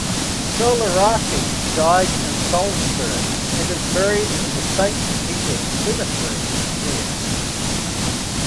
Solari died in Salzburg and is buried in the Saint Peter's Cemetery there.